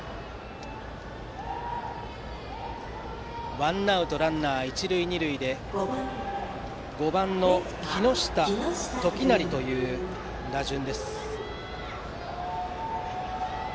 ワンアウトランナー、一塁二塁で５番の木下季音という打順。